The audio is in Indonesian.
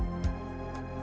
tidak ada apa apa